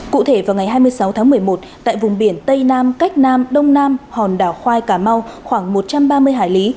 cụ thể vào ngày hai mươi sáu tháng một mươi một tại vùng biển tây nam cách nam đông nam hòn đảo khoai cà mau khoảng một trăm ba mươi hải lý